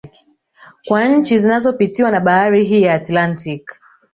Kwa nchi zinazopitiwa na Bahari hii ya Atlantiki